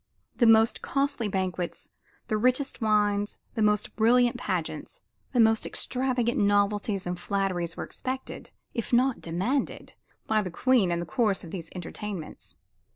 The most costly banquets, the richest wines, the most brilliant pageants, the most extravagant novelties and flatteries were expected, if not demanded, by the Queen in the course of these entertainments.